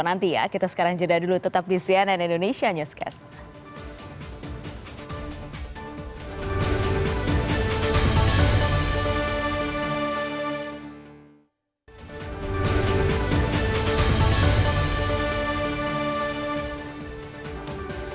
nanti ya kita sekarang jeda dulu tetap di cnn indonesia newscast